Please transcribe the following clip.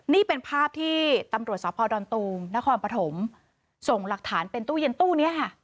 นี่เป็นภาพที่ตำรวจสพดอนตูมนครปฐมส่งหลักฐานเป็นตู้เย็นตู้นี้ค่ะ